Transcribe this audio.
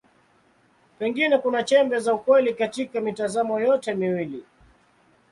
Pengine kuna chembe za ukweli katika mitazamo yote miwili.